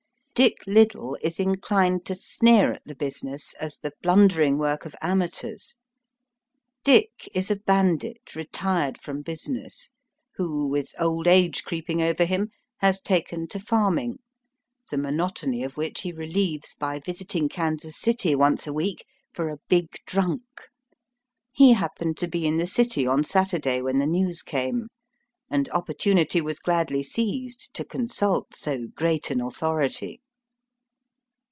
Dick Liddil is inclined to sneer at the business, as the blundering work of amateurs. Dick is a bandit retired from business, who, with old age creeping over him, has taken to farming, the monotony of which he relieves by visiting Kansas City once a week for "a big drunk." He happened to be in the city on Saturday when the news came, and oppor tunity was gladly seized to consult so great an authority.